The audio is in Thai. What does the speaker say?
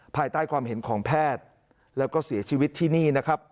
ภายใต้ความเห็นของแพทย์แล้วก็เสียชีวิตที่นี่นะครับ